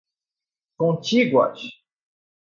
contíguas